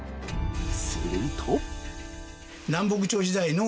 すると